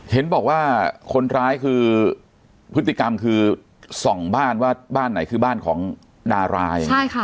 เห็นบอกว่าคนร้ายคือพฤติกรรมคือส่องบ้านว่าบ้านไหนคือบ้านของดาราย